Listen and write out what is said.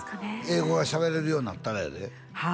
英語がしゃべれるようになったらやでは